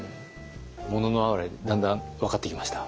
「もののあはれ」だんだん分かってきました？